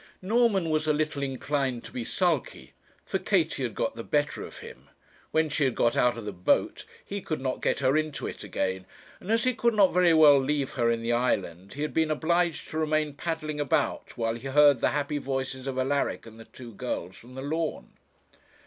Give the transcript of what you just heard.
Norman was a little inclined to be sulky, for Katie had got the better of him; when she had got out of the boat, he could not get her into it again; and as he could not very well leave her in the island, he had been obliged to remain paddling about, while he heard the happy voices of Alaric and the two girls from the lawn.